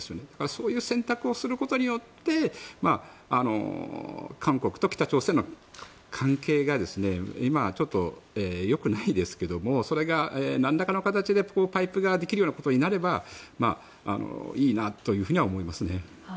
そういう選択をすることによって韓国と北朝鮮の関係が今、ちょっとよくないですけどもそれがなんらかの形でパイプができるようなことになればいいなというふうには思いますね。